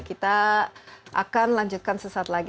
kita akan lanjutkan sesaat lagi